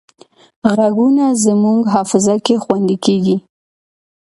غږونه زموږ حافظه کې خوندي کېږي